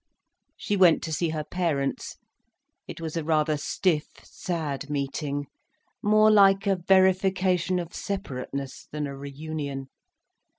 She went to see her parents. It was a rather stiff, sad meeting, more like a verification of separateness than a reunion.